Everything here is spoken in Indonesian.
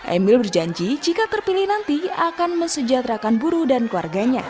emil berjanji jika terpilih nanti akan mesejahterakan buru dan keluarganya